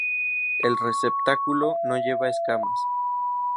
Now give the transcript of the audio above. El receptáculo no lleva escamas.